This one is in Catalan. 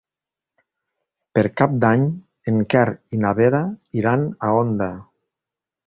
Per Cap d'Any en Quer i na Vera iran a Onda.